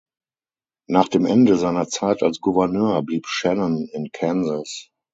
Nach dem Ende seiner Zeit als Gouverneur blieb Shannon in Kansas.